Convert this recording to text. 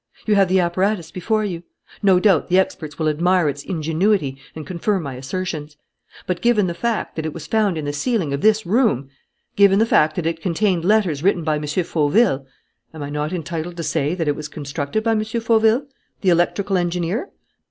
You have the apparatus before you. No doubt the experts will admire its ingenuity and confirm my assertions. But, given the fact that it was found in the ceiling of this room, given the fact that it contained letters written by M. Fauville, am I not entitled to say that it was constructed by M. Fauville, the electrical engineer?"